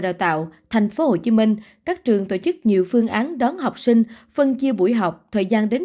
đào tạo tp hcm các trường tổ chức nhiều phương án đón học sinh phân chia buổi học thời gian đến